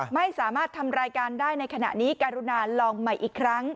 ไม่สามารถทำรายการได้ในขณะนี้การุณาลองใหม่อีกครั้ง